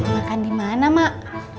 makan dimana emak